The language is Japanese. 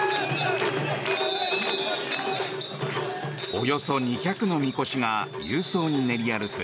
およそ２００のみこしが勇壮に練り歩く